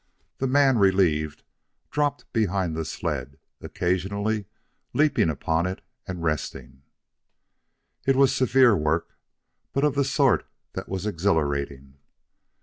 The man relieved dropped behind the sled, occasionally leaping upon it and resting. It was severe work, but of the sort that was exhilarating.